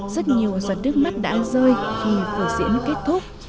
rất nhiều giọt nước mắt đã rơi khi vở diễn kết thúc